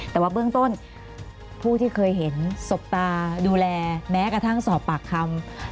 แต่ว่าเบื้องต้นผู้ที่เคยเห็นสบตาดูแลแม้กระทั่งสอบปากคำ